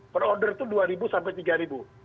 per order itu dua sampai tiga